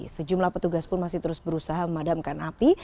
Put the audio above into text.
sejumlah petugas pun masih terus berusaha memadamkan api